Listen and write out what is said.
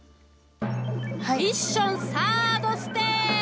ミッションサードステージ。